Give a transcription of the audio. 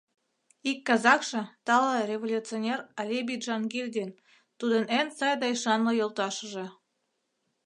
Ик казахше, тале революционер Алибий Джангильдин, — тудын эн сай да ӱшанле йолташыже...